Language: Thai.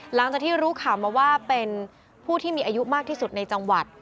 หลังจากที่รู้ข่าวมาว่าเป็นผู้ที่มีอายุมากที่สุดในจังหวัด